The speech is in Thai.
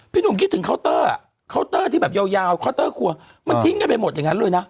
หนุ่มคิดถึงเคาน์เตอร์อ่ะเคาน์เตอร์ที่แบบยาวเคาน์เตอร์ครัวมันทิ้งกันไปหมดอย่างนั้นเลยนะ